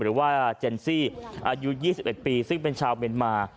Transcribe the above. หรือว่าเจนซี่อายุ๒๑ปีซึ่งเป็นชาวเมียนมา